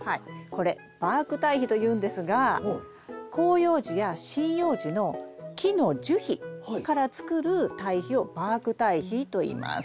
これバーク堆肥というんですが広葉樹や針葉樹の木の樹皮からつくる堆肥をバーク堆肥といいます。